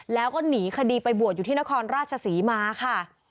แล้วก็หนีคดีไปบวชอยู่ที่นครราชศรีมาค่ะ